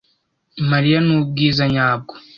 Mariya ni ubwiza nyabwo.